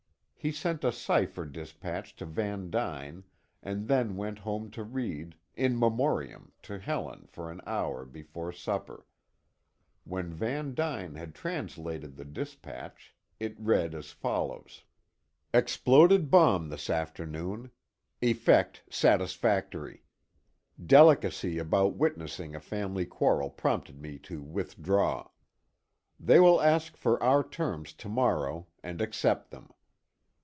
He sent a cipher dispatch to Van Duyn, and then went home to read "In Memoriam" to Helen for an hour before supper. When Van Duyn had translated the dispatch, it read as follows: "Exploded bomb this afternoon. Effect satisfactory. Delicacy about witnessing a family quarrel prompted me to withdraw. They will ask for our terms to morrow, and accept them.